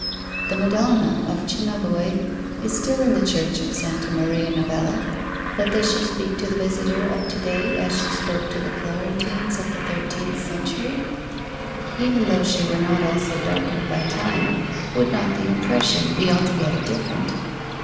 The Madonna of Cimabue is still in the Church of Santa Maria Novella; but does she speak to the visitor of to day as she spoke to the Florentines of the thirteenth century? Even though she were not also darkened by time, would not the impression be altogether different?